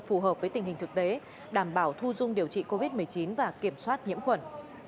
phù hợp với tình hình thực tế đảm bảo thu dung điều trị covid một mươi chín và kiểm soát nhiễm khuẩn